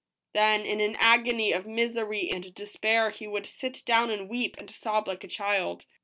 Then in an agony of misery and despair he would sit down and weep and sob like a child.